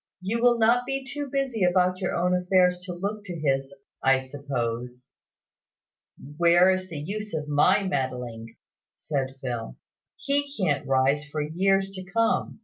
"You will not be too busy about your own affairs to look to his, I suppose." "Where is the use of my meddling?" said Phil. "He can't rise for years to come.